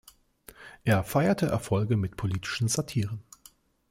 Er feierte Erfolge mit politischen Satiren.